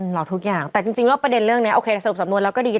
หรอกทุกอย่างแต่จริงแล้วประเด็นเรื่องนี้โอเคสรุปสำนวนแล้วก็ดี